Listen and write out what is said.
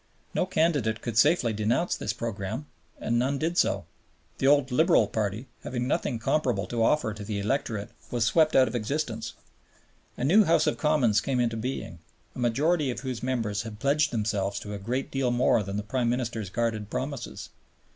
No candidate could safely denounce this program, and none did so. The old Liberal Party, having nothing comparable to offer to the electorate, was swept out of existence. A new House of Commons came into being, a majority of whose members had pledged themselves to a great deal more than the Prime Minister's guarded promises.